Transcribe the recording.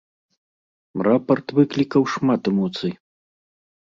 Рапарт выклікаў шмат эмоцый.